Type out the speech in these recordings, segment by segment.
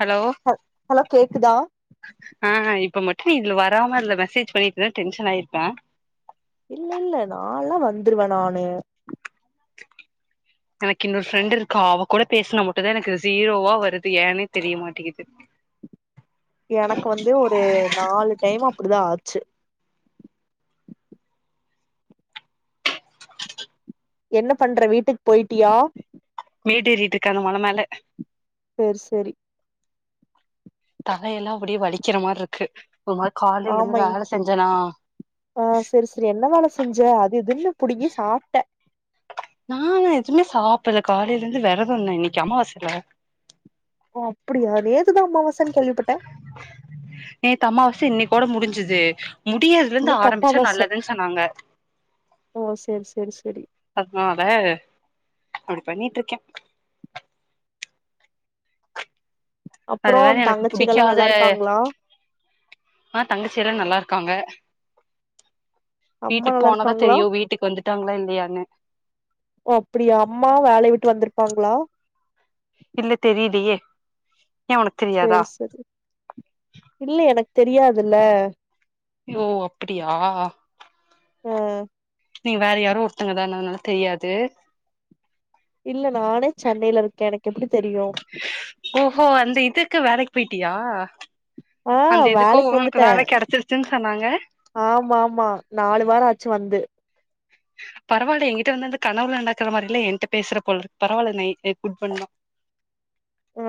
hello ஹ hello கேக்குதா ஆ இப்ப மட்டு நீ இதுல வராம இந்த மெசேஜ் பண்ணிட்டு இரு டென்ஷன் ஆயிருப்பே இல்ல இல்ல நான்ல்லா வந்துருவே நானு எனக்கு இன்னொரு ஃப்ரெண்டு இருக்கா அவ கூட பேசினா மட்டுந்தா எனக்கு ஸூரோவா வருது ஏன்னே தெரியமாட்டிகுது எனக்கு வந்து ஒரு நாலு டைம் அப்புடிதா ஆச்சு என்ன பண்ற வீட்டுக்கு போயிட்டியா மேடேறிட்டு இருக்கே அந்த மல மேல சேரி சேரி தலையெல்லா அப்டியே வலிக்கிற மாறி இருக்கு ஒரு மாறி காலையிலேருந்து ஆமை வேல செஞ்சேனா ஆ சேரி சேரி என்ன வேலை செஞ்ச அது இதுன்னு புடுங்கி சாப்ட்ட நனானா எதுவுமே சாப்டல காலைல இருந்து விரதம்ல ண்ணே இன்னைக்கு அமாவாசையில ஓ அப்படியா நேத்து தா அமாவாசன்னு கேள்விப்பட்டே நேத்து அம்மாவாச இன்னைகோட முடிஞ்சது முடியறதுல இருந்து இன்னைக்கு ஆரம்பிச்சா அப்பாவாச நல்லதுன்னு சொன்னாங்க ஓ சேரி சேரி சேரி அதுனால அப்டி பண்ணிட்டு இருக்கே அது அப்றோ வேற எனக்கு தங்கச்சிகல்லா பிடிக்காத நல்லா இருக்காங்களா ஆ தங்கச்சியெல்லா நல்லா இருக்காங்க அம்மா வீட்டுக்கு நல்லா போனாதா இருக்காங்களா தெரியு வீட்டுக்கு வந்துட்டாங்களா இல்லையான்னு ஓ அப்படியா அம்மாவு வேலைய விட்டு வந்திருப்பாங்களா இல்ல தெரியலியே சேரி சேரி இல்ல எனக்கு தெரியாதுல ஓ ஓ அப்புடியா ஆ நீ வேற யாரோ ஒருத்தங்கதான்னுன்னு தெரியாது இல்ல நானே சென்னையில இருக்கே எனக்கு எப்டி தெரியு ஓஹோ அந்த இதுக்கு வேலைக்கு போயிட்டியா ஆ அந்த இதுக்கோ வேலைக்கு வந்துட்டு உனக்கு வேல கிடைச்சிருச்சுன்னு சொன்னாங்க ஆமா ஆமா நாலு வாரம் ஆச்சு வந்து பரவால எங்கிட்ட வந்து வந்து கனவுல நடாக்குற மாதிரில என்ட்ட பேசுற போல இருக்கு பரவில்ல நைட் குட் பண்ணா உ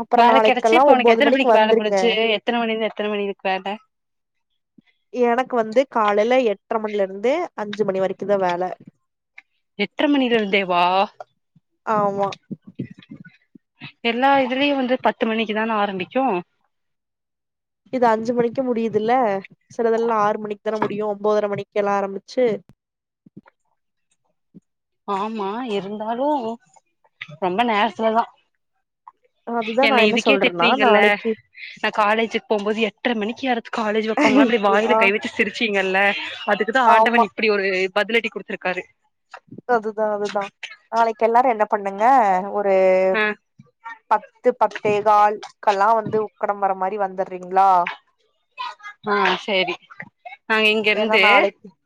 அப்புறோ வேலை கிடைச்சி நாளைக்கெல்லா இப்ப உனக்கு ஒம்போது மணிக்கு எத்தனமணிக்கு வேலை வந்துருங்க முடிச்சு எத்தன மணிலயிருந்து எத்தன மணி இருப்ப எனக்கு வந்து காலைல எட்ர மணில இருந்து அஞ்சு மணி வரைக்கு தா வேல எட்டறை மணில இருந்தே வா ஆமா எல்லா இதுலயு வந்து பத்து மணிக்கு தான ஆரம்பிக்கு இது அஞ்சு மணிக்கு முடியுதுல சிலதெல்லா ஆறு மணிக்கு தானே முடியு ஒன்பதரை மணிக்கு எல்லா ஆரம்பிச்சு ஆமா இருந்தாலு ரொம்ப நேரத்துலதா அதுதா நா என்ன இதுக்கே சொல்றேன்னா திட்னீங்கல்ல நாளைக்கு நா காலேஜுக்கு போம்போது எட்ர மணிக்கு யாராச்சு காலேஜ் வப்பாங்களா அப்டி வாயில ஆ கை வச்சு சிரிச்சிங்கல்ல அதுக்குதா ஆமா ஆண்டவன் இப்டி ஒரு பதிலடி குடுத்துருக்காரு அதுதா அதுதா நாளைக்கு எல்லாரு என்ன பண்ணுங்க ஒரு ஆ பத்து பத்தேகால் க்ல்லா வந்து உக்கடம் வர மாரி வந்து அப்டிங்ளா ஆ செரி நா ஏன்னா இங்கயிருந்து நாளைக்கு ஆ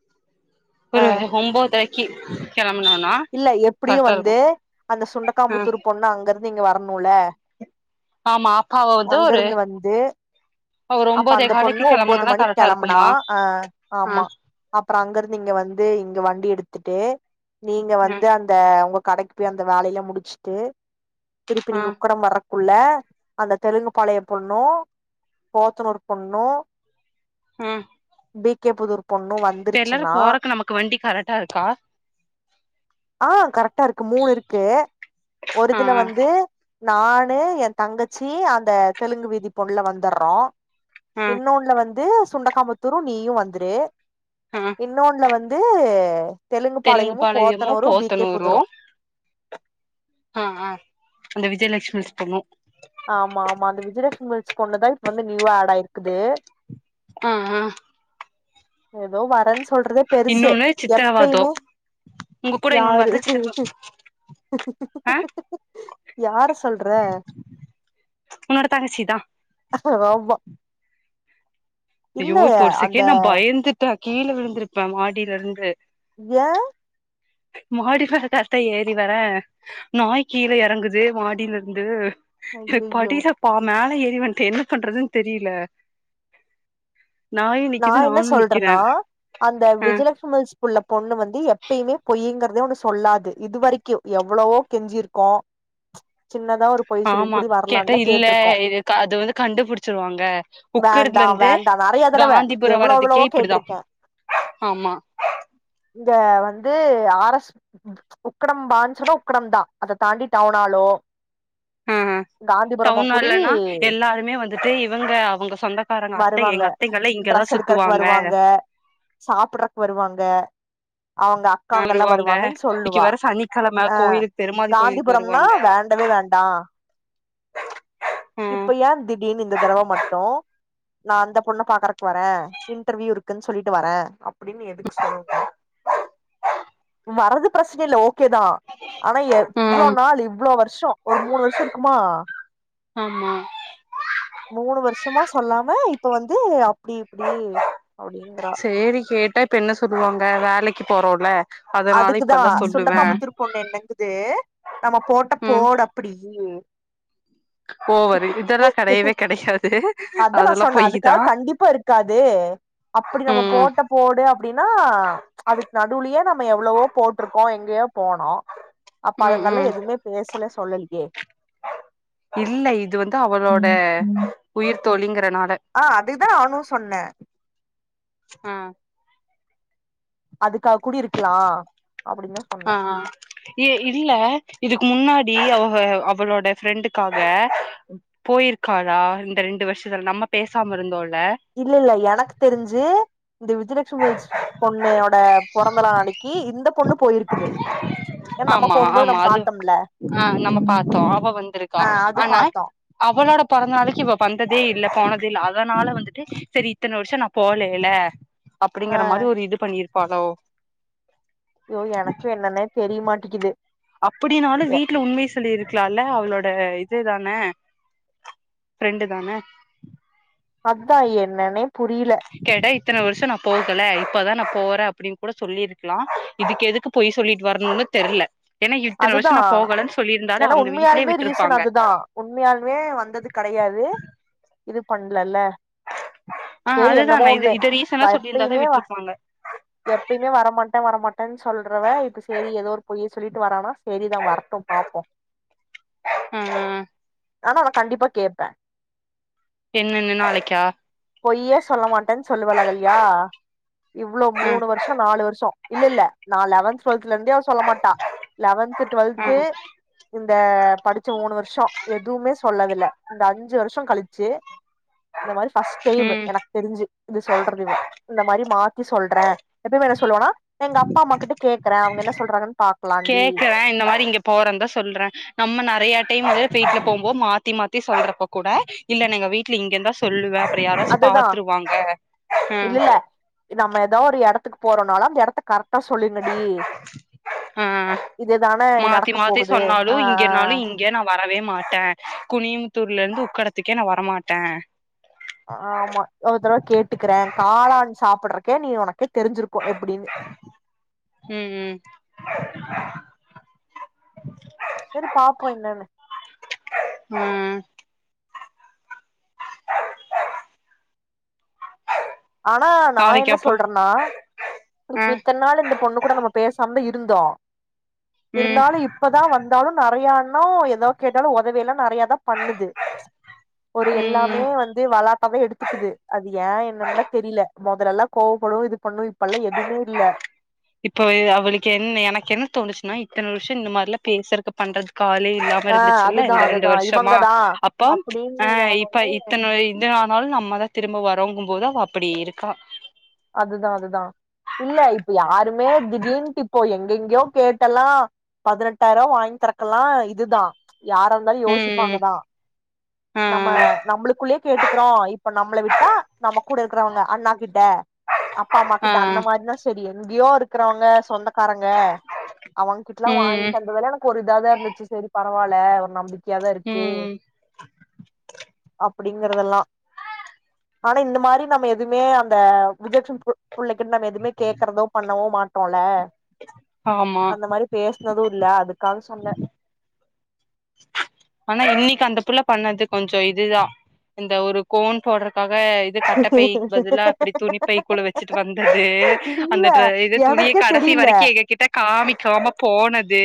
ஒரு ஒம்போதரைக் க்கி கெளம்புனோனா இல்ல எப்டியு கரெக்டா வந்து இருக்கு அந்த ஆ சுண்டக்காம்புத்தூர் பொண்ணு அங்கறிந்து இங்க வரணுல ஆமா அப்பாவ வந்து ஒரு அங்கிருந்து வந்து ஒரு அப்ப ஒம்போதே அந்த பொண்ணு காலுக்கு ஒன்போது கெளம்புனோனா மணிக் கரெக்டா கெளம்புனா இருக்குமா அ ஆ ஆமா அப்றோ அங்கருந்து இங்க வந்து இங்க வண்டி எடுத்துட்டு நீங்க ஆ வந்து அந்த உங்க கடைக்கு போய் அந்த வேலைய முடிச்ட்டு திருப்பி ஆ நீங்க உக்கடம் வர்ர குள்ள அந்த தெலுங்குப்பாளைய பொண்ணு கோத்தனூரு பொண்ணு ம் பி கே புதூர் பொண்ணு வந் இப்ப எல்லாரு போறக்கு நமக்கு வண்டி கரேட்டா இருக்கா ஆ கரெக்ட்டா இருக்கு மூணு இருக்கு ஒரு ஆ இதுல வந்து நானு என் தங்கச்சி அந்த தெலுங்கு விதி பொண்ல வந்துர்றோ ஆ ஆ இன்னொன்ல வந்து சுண்டக்காபுத்தூரு நீயு வந்துரு ஆ இன்னொன்ல வந்து தெலுங்கு பாளையமு போ போத்தனூரு அ அ அந்த விஜயலஷ்மிஸ் போனு ஆமா ஆமா அந்த விஜயலஷ்மல் ஸ்கூல்லதா இப்ப வந்து நியூவா ஆட் ஆய்ர்க்குது ஆ ஆ எதோ வரன் சொல்றதே பெருசு இன்னொன்னு சித்திரவதோ எப்பய்மே உங்க கூட இன்னொன்னு யாரு வருது சித்திரவ ஆ யார சொல்ற உன்னோட தங்கச்சிதா ஆமா ஐயோ இல்ல இப்ப அந்த ஒருசெக்கேன் நா பயந்துட்டே கீழ விழுந்திருப்ப மாடில இருந்து ஏன் மாடி ஃபேட்டாத்தா ஏறி வர நாய் கீழ எறங்குது மாடிலருந்து எனக் ஐயையோ படில பா மேல ஏறி வண்ட்டே என்ன பண்றதுன் தெரில நா என்ன சொல்றனா அந்த ஆ விஜலஷுமல்ஸ் உள்ள பொண்ணு வந்து எப்பயுமே பொய்யுங்கற்தே ஒன்னு சொல்லாது இதுவரைக்கு எவ்ளவோ கெஞ்சிருக்கோ சின்னதா ஒரு பொய் சொல்லிட்டு ஆமா கூடி கேட்டா வரலான்லா இல்ல கேட்டிருக்கோ இதுக்கு அது வந்து கண்டுபுடிச்சிருவாங்க உக்கடதுல இர்ந்தே நா நெறையா தடவ எவுளோ எவுளோவோ கேட்ருக்கே ஆமா இந்த வந்து ஆர் எஸ் உக்கடம் பான்ஸுனா உக்கடம் தா அத தாண்டி டவுனாலோ இந்தா டவுனாலனா எல்லாருமே வந்துட்டு இவங்க அவுங்க சொந்தக்காரங்க அத்த வருவாங்க எங்க அத்தைங்கள்ல ட்ரெஸ் எடுக்கற்க்கு வருவாங்க சாப்புட்றக் வருவாங்க அவுங்க அ க்காங்கள்லா வருவாங்க வருவாங்கன் இன்னைக்கு சொல்லுவா வேற சனிக்கிழம ஆ கோயிலுக்கு பெருமாள் கோயிலுக்கு காந்திபுரம்னா வருவாங்க வேண்டவே வேண்டா ம் இப்ப ஏ திடீர்னு இந்த தடவ மட்டு நா அந்த பொண்ண பாக்கறக் வரே இன்டர்வியூ இருக்குன் சொல்லிட்டு வரே அப்டின் எதுக்கு சொல்லனு வரது பிரச்ன இல்ல ஓகே தா ஆனா எ இவ்ளோ நாள் இவ்ளோ வர்ஷோ ஒரு மூணு வர்ஷோ இருக்குமா ஆமா மூணு வர்ஷமா சொல்லாம இப்ப வந்து அப்டி இப்டி அப்டீங்றா சேரி கேட்டா இப்ப என்ன சொல்லுவாங்க வேலைக்கு போறோல அதனால அதுக்குதா இப்பல்லா சொல்லுவே சுண்டக்காமுத்தூர் பொண்ணு என்னங்குது நம்ம போட்ட ம் போட ப்பிடி இயே ஓவரு இதெல்லாம் கிடையவே கிடையாது அதா நா அதெல்லாம் சொன்னே அதுக்காக பொய்தான் கண்டிப்பா இருக்காது அப்டி நம்ம போட்டப் போடு அப்டின்னா அதுக்கு நடுவுலயே நம்ம எவ்வளவோ போட்ருக்கோம் எங்கேயோ போனோம் அப்ப ம் அதுங்கல்லாம் ம் எதுவுமே பேசல சொல்லலயே இல்ல இது வந்து அவளோட ம் ம் உயிர் தோழிங்கறனால ஆ அதுதான் நானும் சொன்ன ஆ அதுக்கா கூடி இருக்கலா அப்டின்தா ஆ ஆ ஏ இல்ல இதுக்கு முன்னாடி அவ அவளோட ஃப்ரெண்டுக்காக போய்ருக்காலா இந்த ரெண்டு வருஷத்துல நம்ம பேசாம இருந்தோல்ல இல்ல இல்ல எனக்கு தெரிஞ்சு இந்த விஜலட் சுவஜ் பொண்ணோட பொறந்தநாளைக்கு இந்த பொண்ணு போயிருக்குது ஏன்னா நம்ம ஆமா போம்போது ஆமா நம்ம அது பாத்தம்ல ஆ நம்ம பாத்தோ அவ வந்திருக்கா ஆ அது ஆனா பாத்தோ அவளோட பொறந்த நாளைக்கு இவ வந்ததே இல்ல போனதில்ல அதனால வந்துட்டு செரி இத்தன வருஷ நா போலைல ஆ அப்டிங்கிற மாரி ஒரு இது பண்ணிருப்பாலோ ஜயோ எனக்கு என்னனே தெரிய மாட்டேக்குது அப்டின்னாலு வீட்ல உண்மைய சொல்லிருக்கலால அவளோட இது தானே ஃப்ரெண்டு தானே அதா என்னன்னே புரில கேட்டா இத்தன வருஷம் நா போகல இப்பதான் நான் போறேன் அப்டின்னு கூட சொல்லிருக்கலாம் இதுக்கு எதுக்கு போய் சொல்லிட்டு வரணும்னு தெர்ல ஏன்னா இத்தன அதுதா வருஷம் நா போகலன்னு சொல்லிருந்தாலே அவுங்க வீட்லயே விட்ருப்பாங்க உண்மையாலமே வந்தது கடையாது இது பண்லல்ல ஆ சேரி அதுதா என்னமோ நா இது ஒண்ணு இத ரீசனா சொல்லியிருந்தாலே எப்பயுமே விட்ருப்பாங்க எப்பயுமே வரமாட்டன் வரமாட்டன்னு சொல்றவ இப்ப சேரி ஏதோ ஒரு பொய்ய சொல்லிட்டு வரானா சரிதான் வரட்டும் பாப்போம் ம் ம் ஆனா நா கண்டிப்பா கேட்பேன் என்னன்னு நாளைக்கா பொய்யே சொல்ல மாட்டேன்னு சொல்லுவால்ல அகல்யா இவ்ளோ ஆ மூணு வருஷம் நாலு வருஷம் இல்ல இல்ல நா லெவன்த் டுவெல்த்லேந்தே அவ சொல்ல மாட் டா லெவன்த்து ஆ டுவெல்த்து இந்த படிச்ச மூணு வருஷம் எதுவுமே சொல்லதில்ல இந்த அஞ்சு வருஷம் கழுச்சி இந்த மாரி ஃபஸ்ட் டைம் ம் எனக்கு தெரிஞ்சு இது சொல்றது இவ இந்த மாரி மாத்தி சொல்றேன் எப்பயுமே என்ன சொல்லுவானா எங்க அப்பா அம்மா கிட்ட கேக்கறேன் அவுங்க என்ன சொல்றாங்கன்னு பாக்கலாண்டி இப்ப இந்த மாரி இங்க போறன் தா சொல்றேன் நம்ம நறையா டைம் வந்து வீட்ல போம்போது மாத்தி மாத்தி சொல்றப்ப கூட இல்ல நீங்க வீட்ல இங்க இருந்தா சொல்லுவேன் அப்பர யாராச்சு அதுதா பாத்துருவாங்க அ இல்ல இல்ல நம்ம ஏதோ ஒரு எடத்துக்கு போறோன்னாலும் அந்த எடத்த கரெட்டா சொல்லுங்கடி ஆ ஆ இதுதானே நடக்க போகுது ஆ ஆ இல்ல நா வரவே மாட்டேன் குனியமுத்தூர்ல இருந்து உக்கடத்துக்கே நா வரமாட்டேன் ஆமா ஒரு தரவ கேட்டுக்கிறேன் காளான் சாப்பிர்ரக்கே நீ உனக்கே தெருஞ்சிருக்கும் எப்டின்னு ம் ம் செரி பாப்போ என்னன்னு ம் ஆனா நா நாளைக்கு என்ன அப்போ சொல்றேன்னா ஆ இப்ப இத்தன்னால் இந்த பொண்ணு கூட நம்ம பேசாம இருந்தோ ம் இருந்தாலு இப் பதா வந்தாலு நிறையான்னா எதாவக் கேட்டாலு உதவி எல்லா நறைய தா பண்ணுது ஒரு எல்லாமே ம் வந்து வளாட்டாவே எடுத்துக்குது அது ஏன் என்னான்ல தெரில முதல்ல எல்லா கோவப்படுவ இது பண்ணு இப்ப எல்லா எதுமே இல்ல இப்ப அவளுக்கு என்ன எனக்கு என்ன தோணுச்சுன்னா இத்தன வருஷோ இந்த மாரிலா பேசுறக்கு பண்றதுக்கு ஆளே இல்ல ஆ வருந்துச்சுல்ல அதுதா இந்த ரெண்டு அதுதா வருஷமா இவங்கதா அப்பம் அப்டின்னு ஆ இப்ப இத்தன இந்த ஆனாலு நம்மதா திரும்ப வரோங்கும் போது அவ அப்புடி இருக்கா அதுதா அதுதா இல்ல இப்ப யாருமே திடீனுட்டு இப்போ எங்கெங்கயோ கேட்டெல்லா பதினெட்டாயிருவா வாங்கி தறக்கெல்லா இதுதா யார இருந்தாலு ம் ம் யோசிப்பாங்கதா ஆ நம்ம நம்மளுக்குள்ளயே கேட்டுக்குறோ இப்ப நம்மள விட்டா நம்ம கூட இருக்கிறவுங்க அண்ணா கிட்ட அப்பா அம்மா ஆ கிட்ட அந்த மாரினா சொல்லு எங்கயோ இருக்குறவுங்க சொந்தக் காரங்க அவுங்க கிட்டல்லா வாங்கி ம் தந்ததுலா எனக்கு ஒரு இதா தா இருந்துச்சு சேரி பரவால ஒரு நம்பிக் கையாதா இருக்கு ம் அப்புடிங்குறதெல்லா ஆனா இந்த மாரி நம்ம எதுமே அந்த [unintelligible] புள்ளைக்குன் நம்ம எதுமே கேக்கறதோ பண்ணவோ மாட்டோல்ல ஆமா இந்த மாரி பேசுனது இல்ல அதுக்காக சொன்னே ஆனா இன்னைக்கு அந்த புள்ள பண்ணது கொஞ்ச இதுதா இந்த ஒரு கோன் போட்றக்காக இது கட்டப்பைக்கு பதுலா அப்டி துணிப்பைக்குள்ள வச்சுட்டு வந்தது அந்த இல்ல டிர இது துணி எனக்கே கடசி தெரியல வரை க்கி எங்க கிட்ட காமிக்காம போனது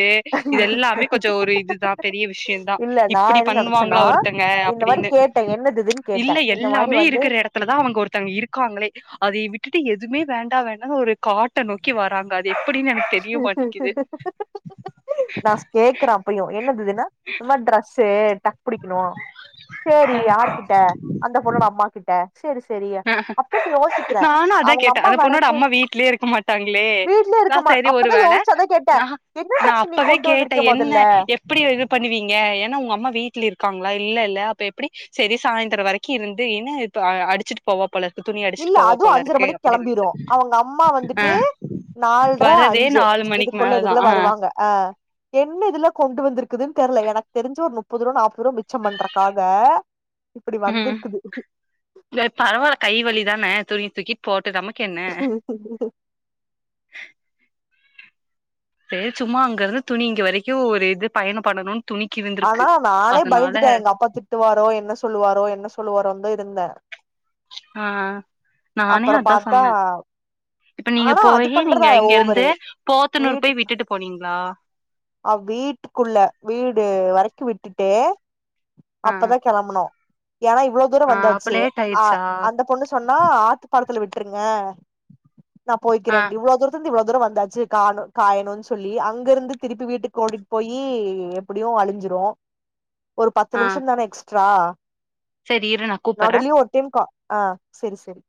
இது எல்லாமே கொஞ்சோ ஒரு இதுதா பெரிய விஷயந்தா இல்ல நா இப்புடி என்ன நெனச்சேன்னா பண்ணுவாங்களா ஒருத்தங்க இந்த மாரி அப்புடின்னு கேட்டே என்னது இதுன்னு கேட்டே இல்ல இந்த மாரி எல்லாமே வந்து இருக்குற இடத் துல தா அவுங்க ஒருத்தவங்க இருக்காங்களே அதைய விட்டுட்டு எதுமே வேண்டா வேண்டான்னு ஒரு காட்ட நோக்கி வராங்க எப்புடின்னு எனக்கு தெரியமாட்டிங்குது கேக்குற அப்பயு என்னது இதுன்னா இந்த மாரி ட்ரெஸ்சு டக் புடிக்கணு சேரி யாருகிட்ட அந்த பொண்ணோட அம்மா கிட்ட சேரி சேரி ஆ அத்தன் யோசிக்கிறே நானு அவுங்க அம்மா வரக்கு டாங்களே வீட்லயே நா இருக்க மா சேரி அப்பதா ஒருவேள யோசிச்சு அதா கேட்ட நா என்ன நா ட்ரெஸ் நீ அப்பவே கொண்டு கேட்டே வந்திருக்க என்ன மொதல்ல எப்புடி இது பண்ணுவீங்க ஏன்னா உங்க அம்மா வீட்டுல இருக்காங்களா இல்லேல்ல அப்ப எப்புடி சேரி சாய்ந்திரோ வரைக்கு இருந்தியீனா இப்ப அடிச்சுட்டு போவ இல்ல அது அஞ்சர மணிக்கு கிளம்பிரு நெனச்சே அவுங்க அம்மா ஆ வந்துட்டு நால்ற வரதே அஞ்சு நாலு மணிக்கு இதுக்குள்ள மேலதா இதுக்குள்ள ஆ வருவாங்க அ என்ன இதுல கொண்டு வந்திருக்குதுன்னு தெர்ல எனக்கு தெரிஞ்சு ஒரு முப்பது ரூவா நாப்பது ரூவா மிச்சம் பண்றக்காக இப்புடி வந்திருக்குது இல்ல பரவால்ல கை வலி தான தூகி தூக்கிட்டு போட்டு நமக்கு என்ன சேரி சும்மா அங்கருந்து துணி இங்க வரைக்கு ஒரு இது பயண பண்ணணு ஆனா நானே பயந்துட்டே எங்க அப்பா திட்டுவாரோ என்ன சொல்லுவாரோ என்ன சொல்லுவாரோனு தா இருந்தே ஆ நானே அப்பறோ அதா பாத்தா சொன்னே இப்ப நீங்க ஆனா அது போயி பண்றதா நீங்க இங்க ஓவரு இருந்து போத்தனூர் போய் விட்டுட்டு போனீங்களா அவ் வீட்டுக்குள்ள வீடு வரைக்கு விட்டுட்டு ஆ அப்பதா கெளம்புனோ ஏனா இவ்ளோ தூரோ ஆ அப்ப வந்தாச்சு லேட் அ ஆயிருச்சா அந்த பொண்ணு சொன்னா ஆத்து பலத்துல விட்ருங்க நா ஆ போய்க்கிறன் இவ்ளோ தூரத் ந்து இவ்ளோ தூரோ வந்தாச்சு காணு காயணுன் சொல்லி அங்க இருந்து திருப்பி வீட்டுக்கு ஓடி போயி எப்படியு அழிஞ்சிரு ஒரு பத்து ஆ நிமிஷந் தான எக்ஸ்ட்ரா சரி இரு நா கூப்பறே நடுலயு ஒரு டிம்கா ஆ சரி சரி